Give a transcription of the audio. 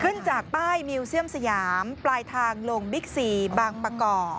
จากป้ายมิวเซียมสยามปลายทางลงบิ๊กซีบางประกอบ